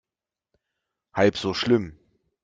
Halb so schlimm.